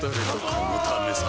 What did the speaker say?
このためさ